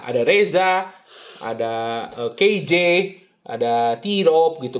ada reza ada k i j ada tirob gitu